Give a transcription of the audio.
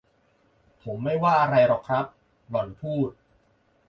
ผมไม่ว่าอะไรหรอกครับ หล่อนพูด